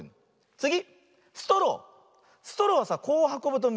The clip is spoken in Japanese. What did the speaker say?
つぎ！